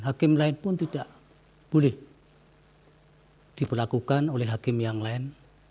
hakim lain pun tidak boleh diberlakukan oleh hakim yang lain